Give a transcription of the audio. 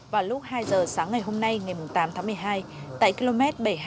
vào lúc hai giờ sáng ngày hôm nay ngày tám tháng một mươi hai tại km bảy trăm hai mươi